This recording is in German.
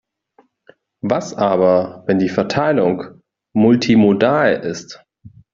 Was aber, wenn die Verteilung multimodal ist?